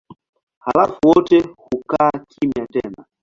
Halafu wote hukaa kimya tena.